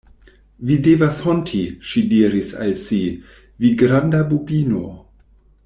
“Vi devas honti,” ŝi diris al si, “vi granda bubino!”